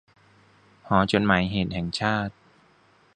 หอจดหมายเหตุแห่งชาติ